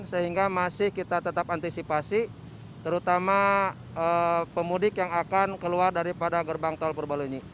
sehingga masih kita tetap antisipasi terutama pemudik yang akan keluar daripada gerbang tol purbalenyi